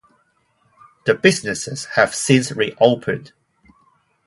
The businesses have since reopened.